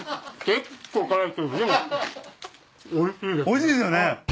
おいしいですよね。